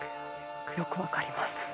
よく分かります。